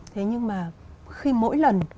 thế nhưng mà khi mỗi lần mà tiếp xúc với